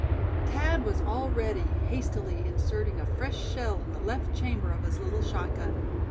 Thad was already hastily inserting a fresh shell in the left chamber of his little shotgun.